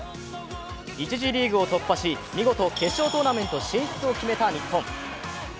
１次リーグを突破し見事決勝トーナメント進出を決めた日本。